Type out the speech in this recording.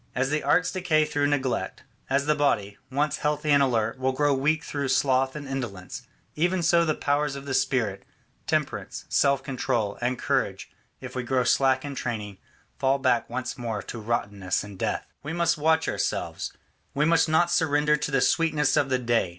As the arts decay through neglect, as the body, once healthy and alert, will grow weak through sloth and indolence, even so the powers of the spirit, temperance, self control, and courage, if we grow slack in training, fall back once more to rottenness and death. We must watch ourselves; we must not surrender to the sweetness of the day.